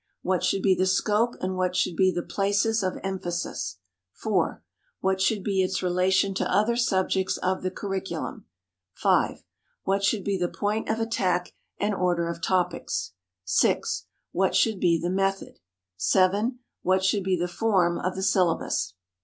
What should be the scope and what should be the places of emphasis? 4. What should be its relation to other subjects of the curriculum? 5. What should be the point of attack and order of topics? 6. What should be the method? 7. What should be the form of the syllabus?